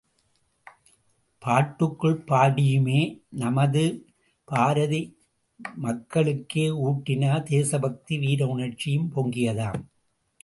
பாட்டுக்கள் பாடியுமே நமது பாரதி மக்களுக்கே ஊட்டினர் தேசபக்தி வீர உணர்ச்சியும் பொங்கியதாம்.